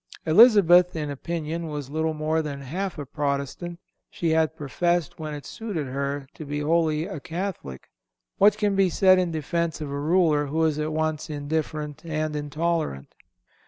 Elizabeth, in opinion, was little more than half a Protestant. She had professed, when it suited her, to be wholly a Catholic.... What can be said in defence of a ruler who is at once indifferent and intolerant?"